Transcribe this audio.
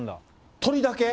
鳥だけ？